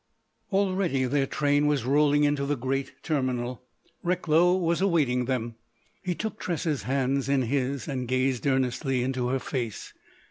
Already their train was rolling into the great terminal. Recklow was awaiting them. He took Tressa's hands in his and gazed earnestly into her face.